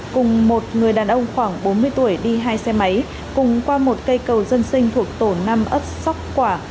cùng một người đàn ông khoảng bốn mươi tuổi đi hai xe máy cùng qua một cây cầu dân sinh thuộc tổ năm ấp sóc quả